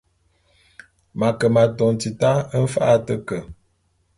M’ake m’atôn tita mfa’a a te ke.